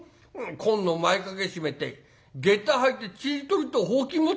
紺の前掛け締めて下駄履いてちり取りとほうき持ってんじゃねえか。